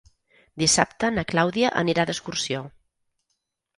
Dissabte na Clàudia anirà d'excursió.